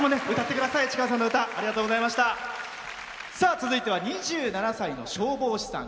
続いては２７歳の消防士さん。